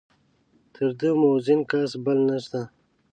تر ده موزون کس بل نشته.